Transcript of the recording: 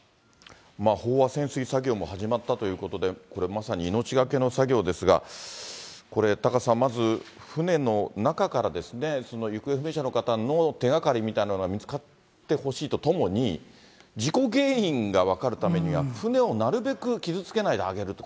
飽和潜水作業も始まったということで、これ、まさに命懸けの作業ですが、これ、タカさん、まず船の中から、行方不明者の方の手がかりみたいなものは見つかってほしいとともに、事故原因が分かるためには、船をなるべく傷つけないで揚げるって。